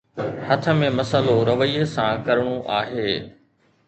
هٿ ۾ مسئلو رويي سان ڪرڻو آهي.